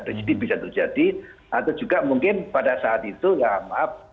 residi bisa terjadi atau juga mungkin pada saat itu ya maaf